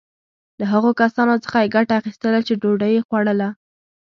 له هغو کسانو څخه یې ګټه اخیستله چې ډوډی یې خوړله.